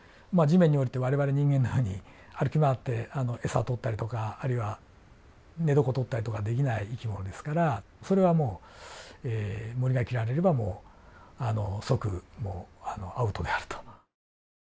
まあ地面に降りて我々人間のように歩き回って餌取ったりとかあるいは寝床取ったりとかできない生き物ですからそれはもう森が切られればもう即アウトであると。